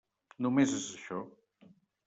Només és això.